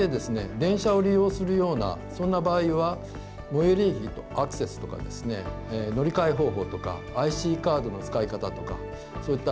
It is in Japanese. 電車を利用するようなそんな場合は最寄り駅のアクセスとか乗り換え方法とかＩＣカードの使い方とかそういった